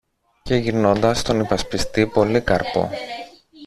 Και γυρνώντας στον υπασπιστή Πολύκαρπο